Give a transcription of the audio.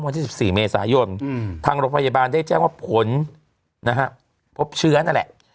วันที่๑๔เมษายนทางโรงพยาบาลได้แจ้งว่าผลนะฮะพบเชื้อนั่นแหละ